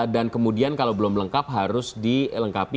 dan kemudian kalau belum lengkap harus dilengkapi